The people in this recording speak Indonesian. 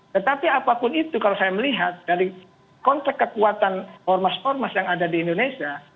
tetapi apapun itu kalau saya melihat dari konteks kekuatan ormas ormas yang ada di indonesia